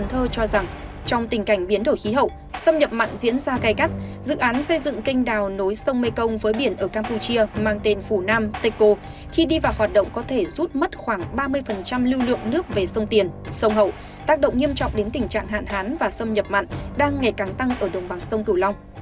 trong tình cảnh biến đổi khí hậu xâm nhập mặn diễn ra gai gắt dự án xây dựng kênh đào nối sông mekong với biển ở campuchia mang tên phủ nam tây cô khi đi vào hoạt động có thể rút mất khoảng ba mươi lưu lượng nước về sông tiền sông hậu tác động nghiêm trọng đến tình trạng hạn hán và xâm nhập mặn đang ngày càng tăng ở đồng bằng sông cửu long